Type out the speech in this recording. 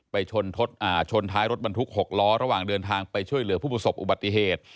ชนท้ายรถบรรทุก๖ล้อระหว่างเดินทางไปช่วยเหลือผู้ประสบอุบัติเหตุ